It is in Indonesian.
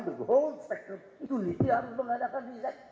itu harus mengadakan